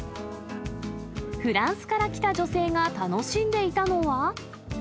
フランスから来た女性が楽しんでいたのは。